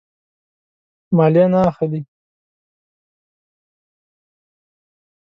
مالیه نه اخلي.